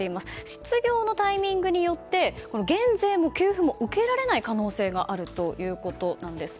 失業のタイミングによって減税も給付も受けられない可能性があるそうです。